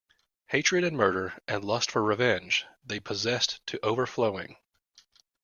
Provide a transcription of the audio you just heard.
Hatred and murder and lust for revenge they possessed to overflowing.